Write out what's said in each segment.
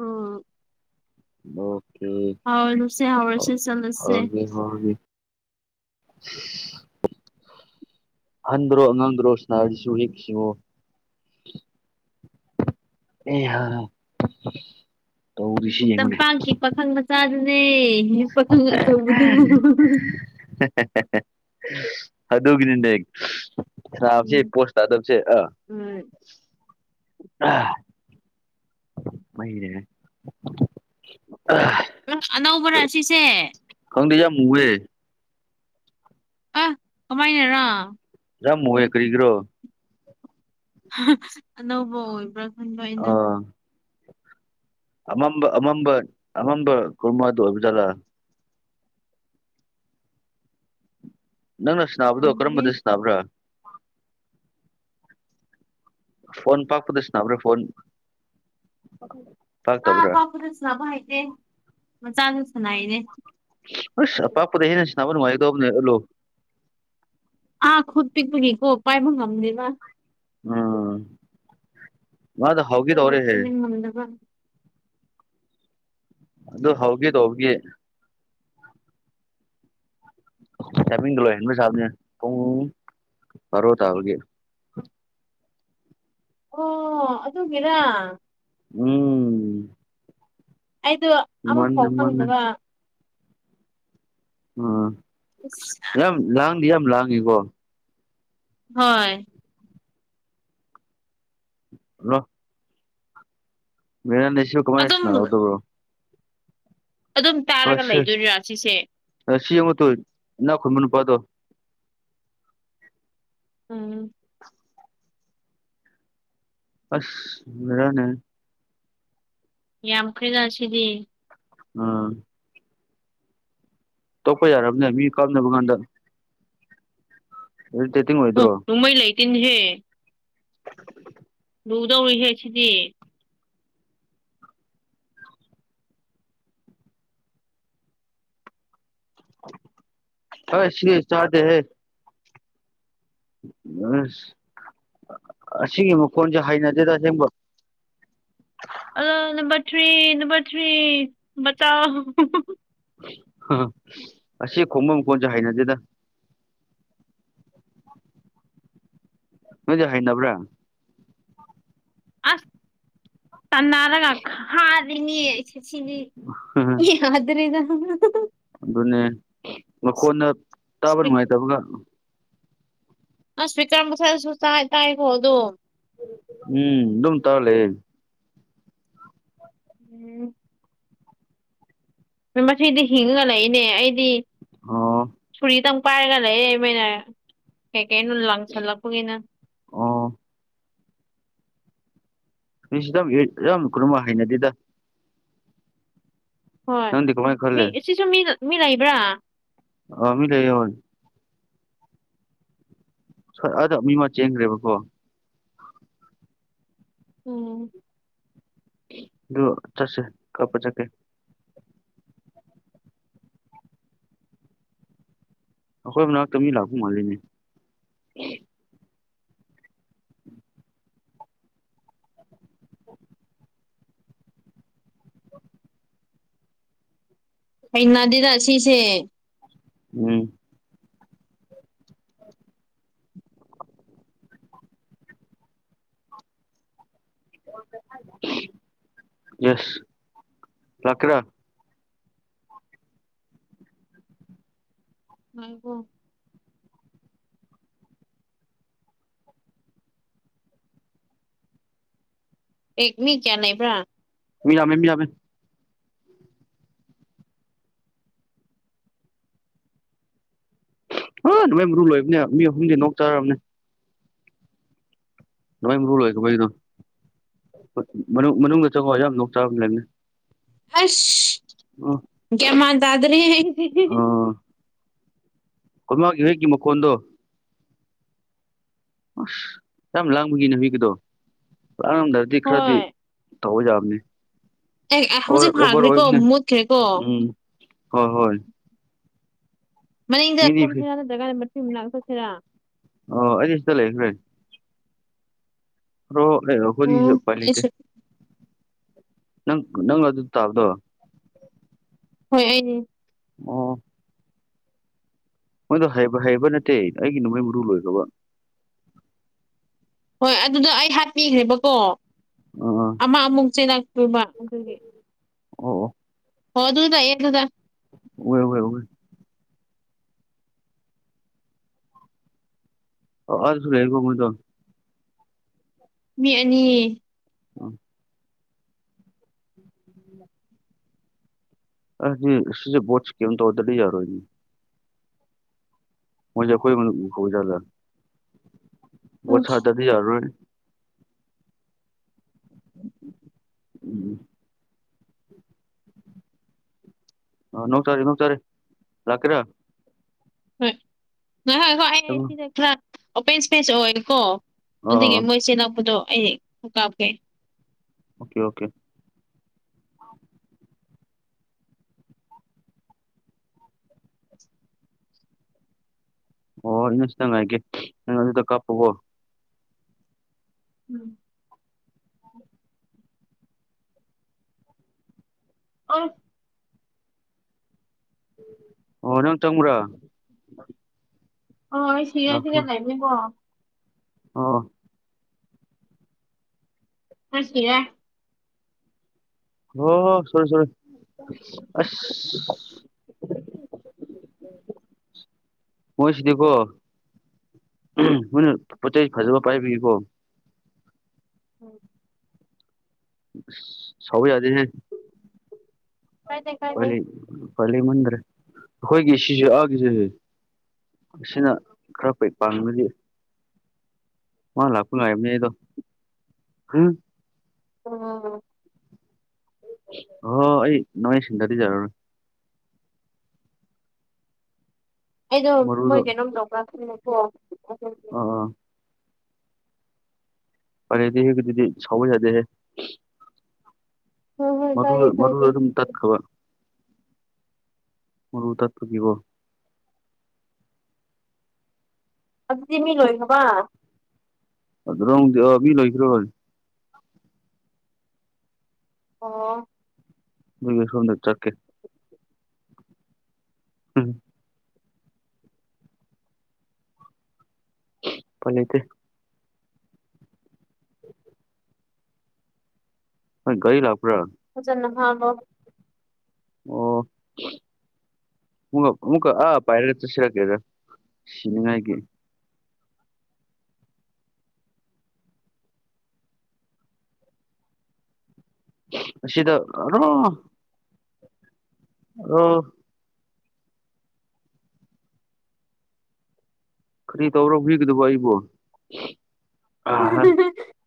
ꯎ ꯎ ꯍꯧꯔꯁꯦ ꯍ ꯆꯠꯂꯁꯦ ꯍ [inaudible] ꯍꯟꯕ꯭ꯔꯣ ꯉꯟꯗ꯭ꯔꯣ ꯁꯤꯅꯥꯔꯤꯁꯨ ꯌꯦꯦꯛꯁꯤꯉꯣ ꯑꯦꯍꯥ ꯇꯝꯄꯥꯛꯀꯤ ꯄꯥꯈꯪ ꯃꯆꯥ ꯑꯦ ꯄꯥꯈꯪ ꯑꯆꯧꯕꯗꯨꯕꯨ ꯑꯗꯨꯗꯒꯅꯤꯗ ꯍꯦꯒ ꯈꯕꯁꯤ ꯎꯝ ꯄꯣꯁ ꯇꯥꯗꯕꯁ ꯑ ꯎꯝ ꯃꯩꯅꯦꯦ ꯅꯪ ꯑꯅꯧꯕ ꯔꯥ ꯁꯤꯁꯦ ꯍꯦ ꯑ ꯀꯃꯥꯏꯅꯔꯥ ꯌꯥꯝꯃꯋꯦ ꯀꯔꯤꯒ꯭ꯔꯣ ꯑꯅꯧꯕ ꯑꯣꯏꯕ꯭ꯔꯥ ꯈꯟꯕ ꯑꯩꯅ ꯑꯥ ꯑꯃꯝꯕ ꯑꯃꯝꯕ ꯑꯃꯝꯕ ꯀꯨꯔꯃꯗꯨ ꯑꯣꯏꯕꯖꯥꯠꯂꯥ ꯅꯪꯅ ꯁꯅꯥꯕꯗꯣ ꯑꯣꯏꯔꯝꯒꯅꯤ ꯀꯔꯝꯕꯗ ꯁꯅꯕ꯭ꯔꯥ ꯐꯣꯟ ꯄꯥꯛꯄꯗ ꯁꯅꯕ꯭ꯔꯥ ꯐꯣꯟ ꯑꯥ ꯄꯥꯛꯇꯕ꯭ꯔꯥ ꯄꯥꯛꯄꯗ ꯁꯥꯟꯅꯕꯥ ꯍꯩꯇꯦ ꯃꯆꯥ ꯑꯁ ꯑꯄꯥꯛꯄꯗ ꯍꯦꯟꯅꯥ ꯁꯥꯟꯅꯕ ꯅꯨꯡꯉꯥꯏꯒꯗꯅꯦ ꯎꯠꯂꯣ ꯑꯥ ꯈꯨꯠ ꯄꯤꯛꯄꯒꯤꯀꯣ ꯄꯥꯏꯕ ꯉꯝꯗꯦꯕ ꯎꯝ ꯃꯥꯗꯣ ꯍꯧꯒꯦ ꯗꯨꯒꯤ ꯇꯧꯔꯦꯍꯦ ꯏꯟꯅ ꯉꯝꯗꯕ ꯑꯗꯨ ꯍꯧꯒꯦ ꯇꯧꯕꯒꯤ [unintelligible] ꯕꯥꯔꯣ ꯇꯥꯕꯒꯤ ꯑꯣ ꯑꯗꯨꯒꯤꯔꯥ ꯎꯝ ꯑꯩꯗꯣ ꯃꯥꯅꯦ ꯑꯃꯐꯥꯎ ꯃꯥꯅꯦ ꯈꯪꯗꯕ ꯑꯝ ꯎꯠꯁ ꯉꯪꯗꯤ ꯌꯥꯝ ꯂꯥꯡꯉꯤꯕꯣ ꯍꯣꯏ ꯂꯣ [unintelligible] ꯑꯗꯨꯝ ꯀꯃꯥꯏꯁꯅꯕ ꯑꯗꯣ ꯑꯗꯨꯝ ꯇꯥꯔꯒ ꯂꯩꯗꯣꯏꯔꯥ ꯁꯤꯁꯦ ꯁꯤ ꯌꯦꯡꯉꯨꯇꯨ ꯏꯅꯥꯈꯨꯝꯕ ꯅꯨꯄꯥꯗꯣ ꯎꯝ ꯑꯁ [unintelligible] ꯌꯥꯝꯈꯔ꯭ꯦꯗꯥ ꯁꯤꯗꯤ ꯑꯝ ꯇꯣꯛꯄ ꯌꯥꯔꯝꯅꯦ ꯃꯤ ꯀꯥꯞꯅꯕ ꯀꯥꯟꯗ ꯏꯔꯤꯇꯦꯇꯤꯡ ꯑꯣꯏꯗꯔꯣ ꯏꯍꯦ ꯂꯨꯗꯧꯔꯤꯍꯦ ꯁꯤꯗꯤ ꯑꯦ ꯁꯤ ꯆꯗꯦ ꯍꯦ ꯑꯁ ꯑꯁꯤꯒꯤ ꯃꯈꯣꯟꯁꯦ ꯍꯩꯅꯗꯦ ꯑꯁꯦꯡꯕ ꯑꯂꯣ ꯅꯝꯕꯔ ꯊ꯭ꯔꯤ ꯅꯝꯕꯔ ꯊ꯭ꯔꯤ ꯕꯆꯥꯎ ꯑꯁꯤ ꯈꯣꯡꯐꯝ ꯀꯣꯟꯁꯦ ꯍꯥꯏꯅꯁꯤꯦꯗ ꯅꯣꯏꯗꯤ ꯍꯩꯅꯕ꯭ꯔꯥ ꯑꯁ ꯇꯟꯅꯔꯒ [unintelligible] [unintelligible] ꯑꯗꯨꯅꯦ ꯃꯈꯣꯟꯅ ꯇꯥꯕ ꯅꯨꯡꯉꯥꯏꯇꯕꯒ [unintelligible] ꯎꯝ ꯑꯗꯨꯝ ꯇꯥ ꯂꯩꯌꯦ ꯎꯝ ꯃꯁꯤꯗꯤ ꯍꯤꯡꯉꯒ ꯂꯩꯏꯅꯦ ꯑꯩꯗꯤ ꯑꯣ ꯁꯨꯔꯤ ꯇꯪ ꯄꯥꯏꯔꯒ ꯂꯩ ꯃꯣꯏꯅ ꯀꯩꯀꯩꯅꯣ ꯂꯪꯁꯜꯂꯛꯄꯒꯤꯅ ꯑꯣ ꯃꯤꯁꯨ ꯌꯥꯝ ꯀꯔꯨꯝꯃ ꯍꯅꯗꯦꯗ ꯍꯣꯏ ꯅꯪꯗꯤ ꯀꯃꯥꯏꯅ ꯃꯤ ꯈꯜꯂꯦ ꯁꯤꯁꯨ ꯃꯤ ꯃꯤ ꯂꯩꯕ꯭ꯔꯥ ꯃꯤ ꯂꯩꯌꯦ ꯑꯗꯣ ꯃꯤ ꯑꯃ ꯆꯦꯟꯈ꯭ꯔꯦꯕꯀꯣ ꯎꯝ ꯑꯗꯨ ꯆꯠꯁꯦ ꯀꯥꯄ ꯆꯠꯀꯦ ꯑꯈꯣꯏ ꯃꯅꯥ ꯇꯃꯤ ꯂꯥꯛꯣ ꯃꯥꯜꯂꯤꯅꯦ ꯍꯩꯅꯗꯤꯗ ꯁꯤꯁꯦ ꯎꯝ [unintelligible] ꯌꯦꯁ ꯂꯀ꯭ꯔꯥ ꯉꯕꯨꯣ ꯑꯦ ꯃꯤ ꯀꯌꯥ ꯅꯕ꯭ꯔꯥ ꯃꯤ ꯌꯥꯃꯦ ꯃꯤ ꯌꯥꯃꯦ ꯑ ꯅꯣꯡꯃꯥꯏ ꯃꯔꯨ ꯂꯣꯏꯕꯅꯦ ꯃꯤ ꯑꯍꯨꯝꯗꯤ ꯅꯣꯛ ꯆꯥꯔꯕꯅꯦ ꯂꯋꯥꯥꯏ ꯃꯔꯨ ꯂꯣꯏꯀꯕꯒꯤꯗꯣ ꯃꯅꯨꯡꯗ ꯆꯁꯨ ꯌꯥꯝꯣꯛ ꯆꯥꯕ ꯂꯩꯅꯤ ꯑꯁ ꯀꯃꯥꯟ ꯇꯥꯗꯅꯦꯦ ꯀꯃꯤ ꯍꯦꯒꯤꯀꯤ ꯃꯀꯣꯟꯟ ꯑꯁ ꯌꯥꯝ ꯂꯥꯡꯕꯒꯤ ꯅꯨ ꯍꯒꯤꯗꯣ ꯂꯥꯡꯉꯝꯗ꯭ꯔꯗꯤ ꯈꯔꯗꯤ ꯍꯣꯏ ꯇꯧꯖꯕꯅꯤ ꯑꯦ ꯑꯣ ꯍꯧꯖꯤꯛ ꯑꯣꯕ ꯑꯣꯏ ꯐꯥꯈ꯭ꯔꯦꯀꯣ ꯃꯨꯠꯈ꯭ꯔꯦꯀꯣ ꯎꯝ ꯍꯣꯏ ꯍꯣꯏ ꯃꯅꯤꯡꯗ ꯃꯤꯗꯤ ꯀꯣꯝꯁꯤꯔꯥ ꯅꯠꯇ꯭ꯔꯒꯅ ꯃꯆꯨ ꯃꯅꯥꯛ ꯆꯠꯁꯤꯔꯥ ꯑꯣ ꯑꯖꯤꯁ ꯆ ꯂꯩꯈ꯭ꯔꯦ ꯣ ꯎꯝ ꯍꯧꯔꯤꯁꯨ ꯄꯂꯤꯗ ꯑꯩꯁꯨ ꯅꯪ ꯅꯪ ꯑꯗꯨ ꯑꯗꯨ ꯇꯥꯕꯗꯣ ꯍꯣꯏ ꯑꯩꯅꯤ ꯑꯣ ꯃꯣꯏꯗꯣ ꯍꯩꯕ ꯅꯠꯇꯦ ꯑꯩꯒꯤ ꯅꯣꯡꯃꯩ ꯃꯔꯨ ꯂꯣꯏꯈ꯭ꯔꯕ ꯍꯣꯏ ꯑꯗꯨꯗ ꯑꯩ ꯍꯥꯠꯄꯤꯈ꯭ꯔꯦꯕꯀꯣ ꯑꯥ ꯑꯥ ꯑꯃꯛ ꯑꯃꯨꯛ ꯆꯦ ꯃ ꯑꯗꯨꯒꯤ ꯑꯣ ꯑꯣ ꯍ ꯑꯗꯨ ꯇꯏꯌꯦ ꯊꯗ ꯑꯣꯏ ꯑꯣꯏꯣꯏ ꯑꯣꯏ ꯑꯁꯨ ꯂꯩꯦꯒꯨꯝꯃꯗꯣ ꯃꯤ ꯑꯅꯤ ꯎ ꯑꯁꯦ ꯀ ꯇ ꯑꯣꯗꯔꯗꯤ ꯌꯥꯔꯣꯏ ꯃꯖꯦꯈꯣꯏ ꯃ ꯍꯖꯗ ꯍꯣꯏ ꯁꯥꯗꯗꯤ ꯌꯥꯔꯣꯏ ꯎꯝ ꯑ ꯅꯣꯡ ꯁꯔꯤ ꯅꯣꯡ ꯁꯔꯤ ꯂꯥꯛꯀꯔ ꯍꯣꯏ ꯍꯣꯏ ꯍꯣꯏ ꯍꯣꯏ ꯑꯩ ꯑꯥ ꯁꯤꯗ ꯈꯔ ꯑꯣꯄꯦꯟ ꯏꯁꯄꯦꯁ ꯑꯣꯏꯀꯣ ꯑꯗꯨꯒꯤ ꯑꯥ ꯃꯣꯏꯁꯦ ꯅꯛꯄꯗꯣ ꯑꯩ ꯀꯥꯞꯀꯦ ꯑꯣꯀꯦ ꯑꯣꯀꯦ ꯑꯣ ꯏꯁ ꯇꯪꯥꯏꯦ ꯅ ꯑꯗꯨꯗ ꯀꯄꯕꯣ ꯎꯝ ꯑ ꯑꯣ ꯅꯪ ꯆꯪꯕ꯭ꯔꯥ ꯑꯣ ꯁꯤꯌꯥꯁꯤꯒ ꯂꯅꯦꯕꯣ ꯑ ꯑꯁꯤ ꯍ ꯁꯨꯔꯦ ꯁꯨꯔ ꯑ ꯄꯨꯣꯏꯁꯤ ꯗꯀꯣ ꯍꯣꯏꯅ ꯄꯆꯦ ꯐꯖꯕ ꯄꯥꯏꯕꯤꯔꯤꯕꯣ ꯎꯝ ꯁꯧ ꯌꯥꯗꯦꯅꯦꯦ ꯀꯥꯏꯗꯦ ꯄ ꯀꯥꯏꯗꯦ ꯐꯂꯤ ꯃꯗ꯭ꯔꯦ ꯍꯣꯏꯒꯁꯤꯁꯨꯒꯁꯤ ꯑꯁꯤꯅ ꯈꯔ ꯐꯩ ꯄꯥꯡꯅꯗꯤ ꯍ ꯂꯥꯛꯄꯨ ꯂ ꯑꯕꯅꯤꯗ ꯎꯝ ꯑ ꯍ ꯑꯩ ꯅꯉ ꯁꯤꯟꯗꯗꯤꯖꯔꯅꯤ ꯑꯩꯗꯣ ꯃꯣꯏ ꯃꯔꯨꯗꯣ ꯀꯩꯅꯣꯝ ꯇ꯭ꯔꯥ ꯈꯪꯉꯦꯀꯣ ꯑꯗꯨ ꯑꯥ ꯑꯥ ꯗꯤ ꯍꯗꯤ ꯁꯖꯗꯦ ꯍꯦ ꯍꯣꯏ ꯍꯣꯏ ꯃꯔ ꯀꯥꯏꯗꯦ ꯃꯔ ꯀꯥꯏꯗꯦ ꯑꯗꯨꯝ ꯇ ꯈꯕ ꯃꯔ ꯇꯔ ꯊꯒꯕ ꯑꯗꯨ ꯇ ꯃꯤ ꯂꯣꯏ ꯍꯕ ꯑꯗꯨꯗꯤꯕꯤ ꯂꯣꯏꯈ꯭ꯔꯣꯖꯤ ꯑꯣ ꯃꯤ ꯁꯣꯅ ꯆꯠꯀꯦ ꯎꯝ ꯐꯅꯤꯠꯇ ꯣꯏ ꯔꯤ ꯂꯥꯛ ꯍꯖꯅꯣ ꯍꯥꯕ ꯑꯣ ꯃ ꯃꯒ ꯑ ꯄꯥꯏꯔ ꯆꯁꯤꯔ ꯀꯦꯔ ꯁꯤꯅꯤꯉꯥꯏꯒꯤ ꯁꯤꯗ ꯔꯣ ꯑꯣ ꯈ ꯇꯧꯔꯣ ꯤꯒꯗꯕ ꯏꯕꯨꯣ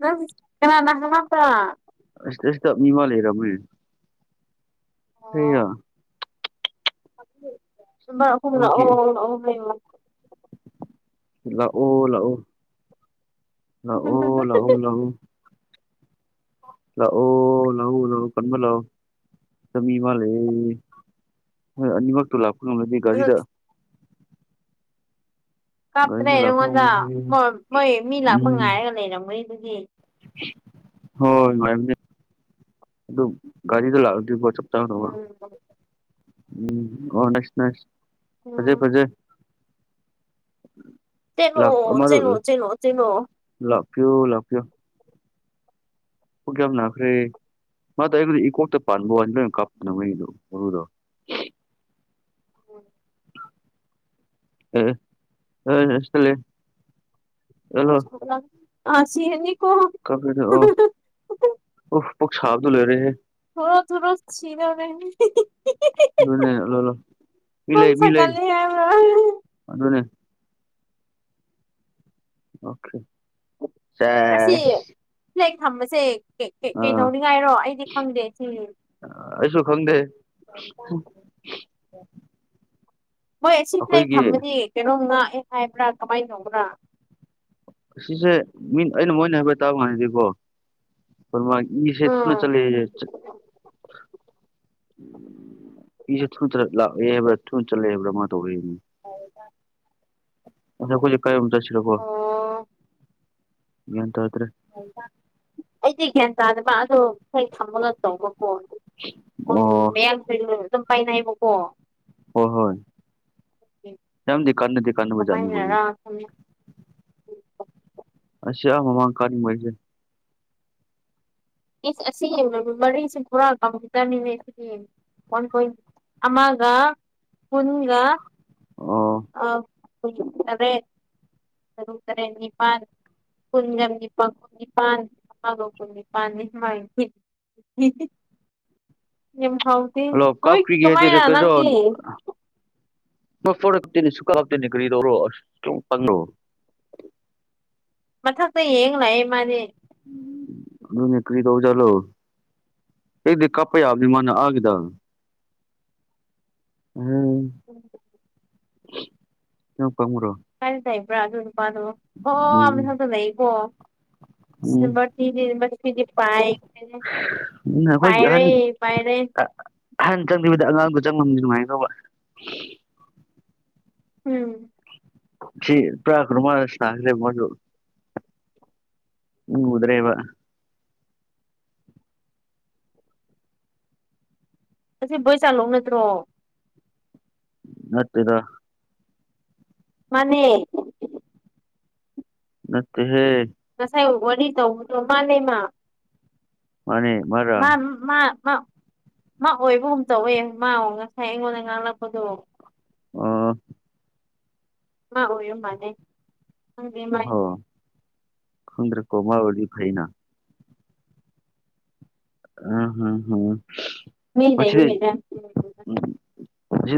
ꯅꯪ ꯀꯅꯥꯥꯟ ꯅ ꯍꯕ꯭ꯔꯥ ꯁꯁ ꯃꯤꯃ ꯂꯩ ꯍꯔꯝꯣꯏ ꯑꯣ ꯍ ꯑ ꯍ ꯑꯣ ꯎ ꯂꯩ ꯂꯥꯛꯑꯣ ꯂꯥꯛꯑꯣ ꯂꯍ ꯂꯎ ꯂꯑꯣ ꯂꯑꯣ ꯂꯍꯎ ꯂꯍꯎ ꯀꯟꯃ ꯂ ꯆꯃꯤ ꯃꯥꯂꯦ ꯍꯣꯏ ꯑꯅꯤꯃꯛꯇꯣ ꯂꯥꯛꯄ ꯉꯝꯃꯗꯤ ꯑꯗꯨ ꯒꯥꯔꯤꯗ ꯀꯥꯞꯇ꯭ꯔꯦ ꯒꯥꯔꯤꯗ ꯂꯥꯛꯄ ꯅꯉꯣꯟꯗ ꯉꯝꯂꯗꯤ ꯃꯣꯏ ꯃꯤ ꯂꯥꯛꯄ ꯉꯥꯏꯔꯒ ꯂꯩꯔꯝꯒꯅꯤ ꯑꯗꯨꯒꯤ ꯍꯣꯏꯣꯏ ꯑꯗꯨ ꯒꯥꯔꯤꯗ ꯂꯥꯛꯑꯣ ꯄ ꯆ ꯎꯝ ꯎꯝ ꯑꯣ ꯅꯁ ꯅꯁ ꯐꯖꯩ ꯎꯝ ꯐꯖꯩ ꯇꯅꯣ ꯂꯥꯛ ꯆꯩꯅꯣ ꯆꯩꯅꯣ ꯆꯅꯣ ꯀꯨ ꯂ ꯀꯌꯨ ꯑꯣ ꯀꯌꯥꯕꯅ ꯐꯔꯦ ꯃꯥ ꯇ ꯑꯩꯕꯨꯗꯤ ꯏꯀꯣꯛꯇ ꯄꯥꯟꯕ ꯋꯥꯅꯤ ꯂꯣꯏꯅ ꯀꯥꯞꯄꯅ ꯃꯩꯗꯨ ꯃꯔꯨꯗꯣ ꯍ ꯎ ꯎꯂꯦ ꯑ ꯁꯤ ꯍꯅꯤ ꯀ ꯐ ꯑꯣ ꯑꯣ ꯄꯣꯈꯁꯥꯕꯗ ꯂꯩꯔꯦꯦ ꯊꯔꯣ ꯊꯂꯣ ꯁꯤꯅ ꯅꯦ ꯂ ꯂꯣ ꯈꯣꯡ ꯂꯩ ꯃꯤ ꯂꯩ ꯁꯥꯒꯠꯂꯦ ꯍꯥꯏꯕ꯭ꯔꯥ ꯑꯗꯨꯅꯦ ꯑꯣꯦ ꯁ ꯑꯁꯤ ꯐ꯭ꯂꯦꯛ ꯊꯝꯕꯁꯦ ꯀꯩꯗꯧꯅꯤꯡꯉꯥꯏꯔꯣ ꯑꯩꯗꯤ ꯈꯪꯗꯦ ꯁꯤ ꯍꯗꯦ ꯍꯣꯏ ꯁꯤ ꯂꯩ ꯊꯝꯃꯅꯤ ꯀꯩꯅꯣꯝ ꯉꯥꯛꯑꯦ ꯍꯥꯏꯕ꯭ꯔꯥ ꯀꯃꯥꯏ ꯇꯧꯕ꯭ꯔꯥ ꯑꯁꯤꯁꯦ ꯃꯤ ꯑꯩꯅ ꯃꯣꯏꯅ ꯍꯥꯏꯐꯦꯠ ꯇꯥꯕ ꯃꯥꯟꯅꯗꯤꯀꯣ ꯃꯥ ꯏ ꯁꯦ ꯊꯅ ꯎꯝ ꯆꯂ ꯏꯁꯦ ꯊꯨ ꯂꯥꯛꯑꯦ ꯍꯥꯏꯕ꯭ꯔꯥ ꯊꯨꯅ ꯆꯠꯂꯦ ꯍꯥꯏꯕ꯭ꯔꯥ ꯃꯥ ꯇꯧꯔꯅꯤ ꯑ ꯀ ꯀꯩ ꯁꯤꯣ ꯑꯣ ꯌꯦꯇ ꯍꯥꯏꯇ꯭ꯔꯦ ꯑꯩꯗꯤ ꯒ꯭ꯌꯥꯟ ꯇꯥꯗꯕ ꯑꯗꯣ ꯏꯁꯩ ꯈꯝꯕꯒ ꯇꯧꯕꯀꯣ ꯍꯣꯏ ꯑꯣ ꯃꯌꯥꯝꯁꯨ ꯑꯗꯨꯝ ꯄꯥꯏꯅꯕꯀꯣ ꯍꯣꯏ ꯍꯣꯏ ꯌꯥꯝ ꯀꯥ ꯗꯨꯀꯥꯥꯟꯅꯨꯡ ꯃꯖꯥꯅꯤ ꯄ ꯀꯃꯥꯏꯅꯔꯥ ꯈꯪꯗꯦ꯫ ꯑꯁꯤꯁ ꯑ ꯃꯃꯥꯡ ꯀꯥꯅꯤꯡꯉꯩꯁꯦ ꯑꯁꯤ ꯃꯔꯤꯁꯤ ꯊꯣꯔꯥ ꯀꯝꯇꯅꯤꯗꯤ ꯋꯥꯟ ꯄꯣꯏꯟ ꯑꯃꯒ ꯀꯨꯟꯒ ꯑꯣ ꯑ ꯑꯗꯦ ꯁꯨꯔꯦꯅꯤ ꯄ ꯀꯨꯟꯖꯝꯅꯤꯄꯥꯅꯤ ꯄ ꯄꯅꯤ ꯃꯥ ꯍꯥꯎꯗꯤ ꯍꯜꯂꯣ ꯍꯣꯏ ꯀꯥꯞꯄꯤꯒꯦ ꯀꯃꯥꯏꯅ ꯅꯪꯒꯤ ꯐꯅꯤ ꯁꯨꯀꯥ ꯂꯥꯛꯇꯅꯤ ꯀꯔꯤꯗꯔꯣ ꯃꯊꯗ ꯌꯦꯡ ꯂꯌꯦ ꯃꯥꯅꯤ ꯑꯗꯨꯅꯤ ꯀꯔꯤ ꯀꯧ ꯆꯂꯣ ꯑꯩꯗꯤ ꯀꯥꯄꯩꯥꯕꯅꯤ ꯃꯅ ꯑꯒꯗ ꯍ ꯀꯣꯡ ꯀꯃ꯭ꯔꯣ ꯀꯥꯏꯗ ꯂꯩꯕ꯭ꯔꯥ ꯑꯗꯨ ꯑꯣ ꯑꯃ ꯊꯗ ꯂꯩꯕꯣ ꯎꯝ ꯃ ꯃꯁꯗꯤ ꯄꯥꯏ ꯎꯝ ꯄꯥꯏꯔꯦ ꯄꯥꯏꯔꯦ ꯑꯍꯥꯟ ꯆꯪꯗꯕꯗ ꯑꯉꯥꯡꯗꯣ ꯆꯪꯉꯅꯤ ꯅꯨꯡꯉꯥꯏꯗꯧꯕ ꯎꯝ ꯁꯤ ꯄ꯭ꯔꯀꯔꯨ ꯃꯥꯔꯁ ꯊꯈꯦ ꯃ ꯎꯝ ꯎꯗ꯭ꯔꯦꯕ ꯑꯁꯤ ꯕꯣꯏ ꯆꯥꯂꯧ ꯅꯠꯇ꯭ꯔꯣ ꯅꯠꯇꯦꯗ ꯃꯅꯦ ꯃꯠꯇꯦ ꯍꯦ ꯉꯁꯥꯏ ꯋꯥꯔꯤ ꯋꯥꯔꯤ ꯇꯧꯗꯣ ꯃꯥꯅꯦ ꯃꯥ ꯃꯥꯅꯦ ꯃꯔꯔ ꯃꯥ ꯃꯥ ꯃꯥ ꯑꯣꯏꯕꯒꯨꯝ ꯇꯧꯋꯦ ꯃꯥ ꯉꯁꯥꯏ ꯑꯩꯉꯣꯟꯗ ꯉꯥꯡꯂꯛꯄꯗꯣ ꯑꯥ ꯃꯥ ꯑꯣꯏ ꯌ ꯃꯥꯅꯦ ꯍꯪꯦ ꯈꯗ꯭ꯔ ꯀꯣꯃꯥ ꯑꯣꯏꯗꯤ ꯐꯥꯏꯅ ꯑ ꯍꯝ ꯍꯝ ꯃꯤ ꯑꯣꯏꯗ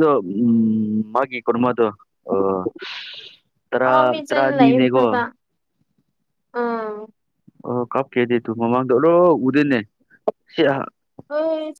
ꯗꯨ ꯎꯝ ꯃꯥꯒꯤ ꯀꯃꯗꯨ ꯑꯣ ꯇꯔꯥ ꯑꯥ ꯃꯤ ꯆꯦꯟ ꯂꯩꯌꯦ ꯇꯔꯥꯅꯤꯅꯦꯒꯣ ꯃꯊꯛꯇ ꯑꯥ ꯑꯣ ꯀꯞ ꯀꯩꯗꯦ ꯇꯨ ꯃꯃꯥꯡꯗ ꯑꯣꯔꯣ ꯎꯗꯅꯦ ꯁꯤ ꯑꯣ